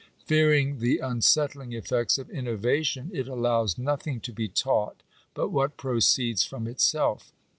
Fearing the unsettling effects of innovation, it allows nothing to be taught but what proceeds from itself.